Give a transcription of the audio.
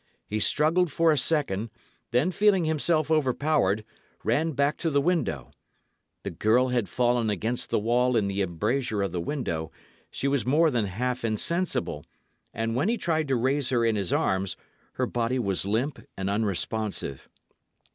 He struggled for a second; then, feeling himself overpowered, ran back to the window. The girl had fallen against the wall in the embrasure of the window; she was more than half insensible; and when he tried to raise her in his arms, her body was limp and unresponsive.